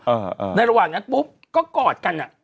อ่าในระหว่างนั้นปุ๊บก็กอดกันอ่ะ